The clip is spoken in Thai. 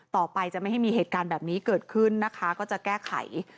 ต่อไปจะไม่ให้มีเหตุการณ์แบบนี้เกิดขึ้นนะคะก็จะแก้ไข